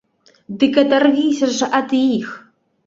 Дык адарвіся ж ад іх!